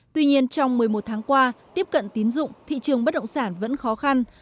tuy nhiên trong một mươi một tháng qua tiếp cận tín dụng thị trường bất động sản vẫn khó khăn